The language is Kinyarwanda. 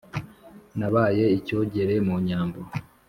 nabaye icyogere mu nyambo